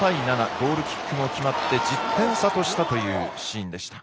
ゴールキックも決まって１０点差としたというシーンでした。